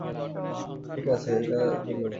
ঠিক আছে, এটা তুলো।